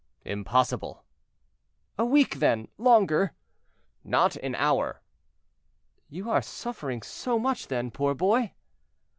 "Impossible." "A week, then, longer." "Not an hour." "You are suffering so much, then, poor boy?"